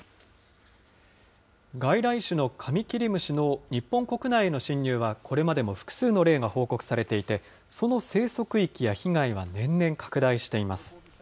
外来種のカミキリムシの日本国内への侵入はこれまでも複数の例が報告されていて、その生息域や被害は年々拡大しています。